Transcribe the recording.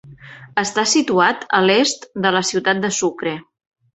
Està situat a l'est de la ciutat de Sucre.